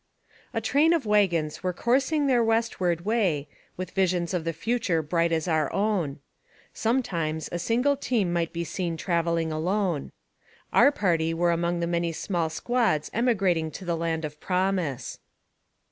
A TRAIN of wagons were coursing their westward way, with visions of the future bright as our own. Sometimes a single team might be seen traveling alone. Our party were among the many small squads emi grating to the land of promise.